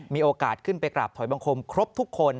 มีโอกาสขึ้นไปกราบถอยบังคมครบทุกคน